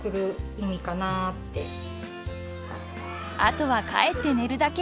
［後は帰って寝るだけ］